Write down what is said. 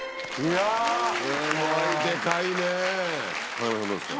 影山さんどうですか？